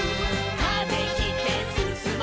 「風切ってすすもう」